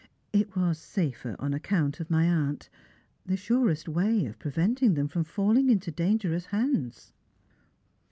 " It was safer on account of my aunt. The surest way of preventing them from falling into dangerous hands."